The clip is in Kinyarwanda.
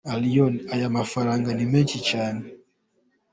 Aaron: “ Aya mafaranga ni menshi cyane.